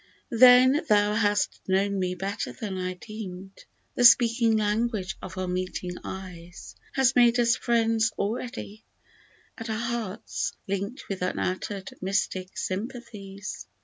41 Then thou hast known me better than I deemed ; The speaking language of our meeting eyes Has made us friends already, and our hearts Linked with unuttered mystic sympathies